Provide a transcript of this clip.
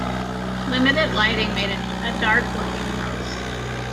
Limited lighting made it a dark looking house.